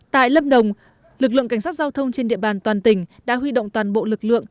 tại lâm đồng lực lượng cảnh sát giao thông trên địa bàn toàn tỉnh đã huy động toàn bộ lực lượng